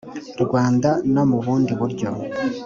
rwanda no mu bundi buryo